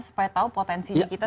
supaya tau potensi kita seperti apa ya